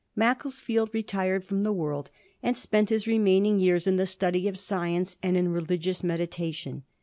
Macclesfield retired firom the world, and spent his remaining years in the study of science, and in religious medi tation.